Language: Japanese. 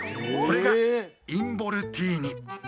これがインボルティーニ！